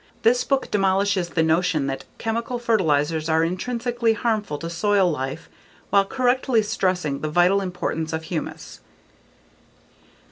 This book demolishes the notion that chemical fertilizers are intrinsically harmful to soil life while correctly stressing the vital importance of humus.